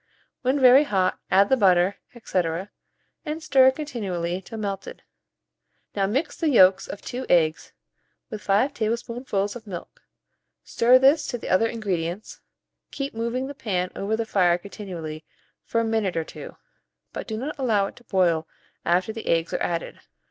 When very hot, add the butter, &c., and stir continually till melted. Now mix the yolks of 2 eggs with 5 tablespoonfuls of milk; stir this to the other ingredients, keep moving the pan over the fire continually for a minute or two, but do not allow it to boil after the eggs are added.